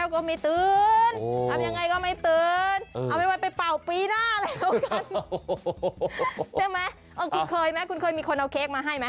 คุณเคยมั้ยหรือคุณเคยมีคนเอาเค้กมะ